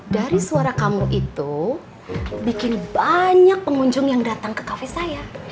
dari suara kamu itu bikin banyak pengunjung yang datang ke kafe saya